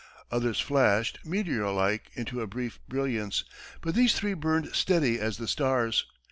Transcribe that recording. Others flashed, meteor like, into a brief brilliance; but these three burned steady as the stars.